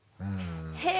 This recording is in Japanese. へえ！